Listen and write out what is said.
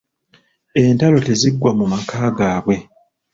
Entalo teziggwa mu maka gaabwe.